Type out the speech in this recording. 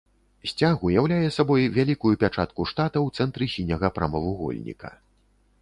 Сцяг уяўляе сабой вялікую пячатку штата ў цэнтры сіняга прамавугольніка.